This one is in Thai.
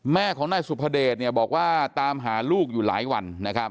แม่ของนายสุภเดชบอกว่าตามหาลูกอยู่หลายวัน